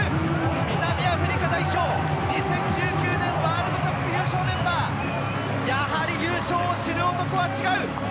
南アフリカ代表、２０１９年ワールドカップ優勝メンバー、やはり優勝を知る男は違う！